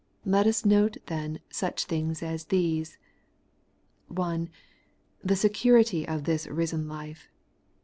Let us note, then, such things as these :— 1. The security of this risen life.